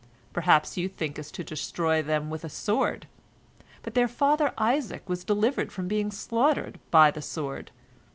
Perhaps thou thinkest to destroy them with a sword, but their father Isaac was delivered from being slaughtered by the sword.